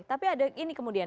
tapi ada ini kemudian